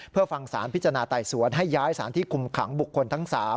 เพื่อฟังสารพิจารณาไต่สวนให้ย้ายสารที่คุมขังบุคคลทั้ง๓